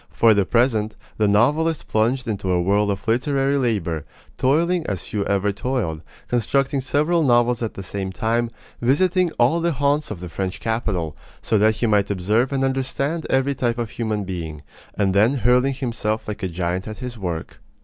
For the present, the novelist plunged into a whirl of literary labor, toiling as few ever toiled constructing several novels at the same time, visiting all the haunts of the French capital, so that he might observe and understand every type of human being, and then hurling himself like a giant at his work.